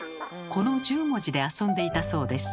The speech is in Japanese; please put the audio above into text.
この１０文字で遊んでいたそうです。